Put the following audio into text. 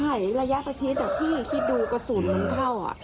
ใช่ระยะประเทศที่ดูกระสุนมันเข้า